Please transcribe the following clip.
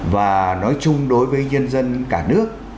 và nói chung đối với nhân dân cả nước